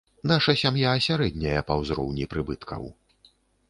Наша сям'я сярэдняя па ўзроўні прыбыткаў.